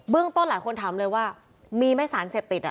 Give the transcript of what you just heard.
เบื้องต้นหลายคนถามเลยว่ามีไม่สารเสพติด